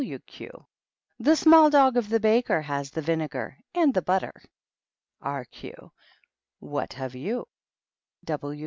W. Q. The small dog of the baker has the vinegar and the butter. B. Q. What have you?